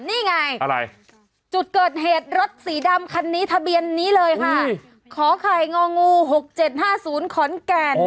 นี่ไงอะไรจุดเกิดเหตุรถสีดำคันนี้ทะเบียนนี้เลยค่ะขอไข่งองู๖๗๕๐ขอนแก่น